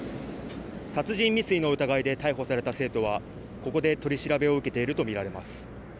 殺人未遂の疑いで逮捕された生徒はここで取り調べを受けていると見られます。